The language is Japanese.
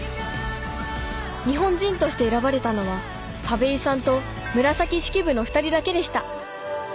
日本人として選ばれたのは田部井さんと紫式部の２人だけでした。